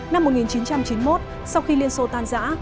năm một nghìn chín trăm chín mươi một sau khi liên xô tan giã